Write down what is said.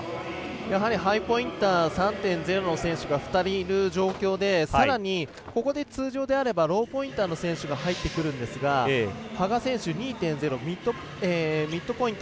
やはりハイポインター３．０の選手が２人いる状況でここで通常であればローポインターの選手が入ってくるんですが羽賀選手、２．０でミッドポイント